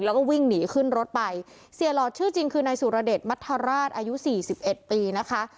แล้วก็วิ่งหนีขึ้นรถไปเสียหลอดชื่อจริงคือนายสุรเดชมัธราชอายุสี่สิบเอ็ดปีนะคะ